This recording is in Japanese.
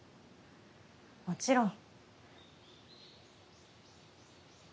もちろん。